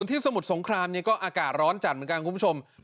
สมุทรสงครามเนี่ยก็อากาศร้อนจัดเหมือนกันคุณผู้ชม